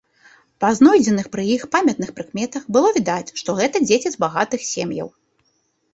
Па знойдзеных пры іх памятных прыкметах было відаць, што гэта дзеці з багатых сем'яў.